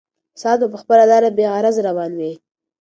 ساعت به په خپله لاره بېغرضه روان وي.